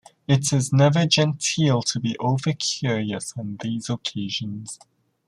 It is never genteel to be over-curious on these occasions.